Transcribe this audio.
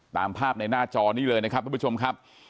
ตามภาพในหน้าจอนี้เลยนะครับทุกผู้ชมครับ